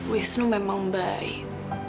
wisnu memang baik